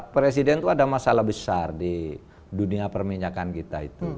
presiden itu ada masalah besar di dunia perminyakan kita itu